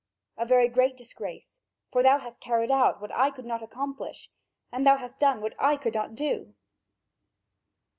"A very great disgrace, for thou hast carried out what I could not accomplish, and thou hast done what I could not do."